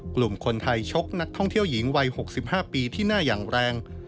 กลุ่มคนไทยชกนักท่องเที่ยวหญิงวัย๖๕ปีที่หน้าอย่างแรง